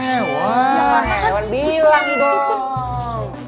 wah hewan bilang